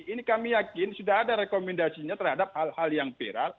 ini kami yakin sudah ada rekomendasinya terhadap hal hal yang viral